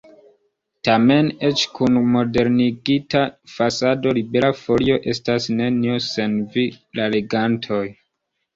Tamen, eĉ kun modernigita fasado, Libera Folio estas nenio sen vi, la legantoj.